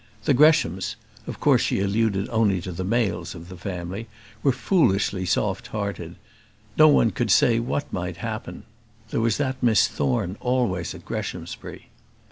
The Greshams of course she alluded only to the males of the family were foolishly soft hearted; no one could say what might happen. There was that Miss Thorne always at Greshamsbury.